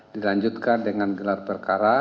dilanjutkan dengan gelar perkara